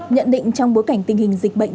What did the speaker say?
nhận định trong bối cảnh tình hình dịch bệnh